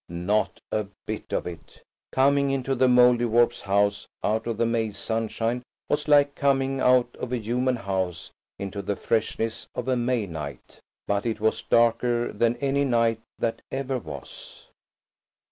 Not a bit of it! Coming into the Mouldiwarp's house out of the May sunshine was like coming out of a human house into the freshness of a May night. But it was darker than any night that ever was.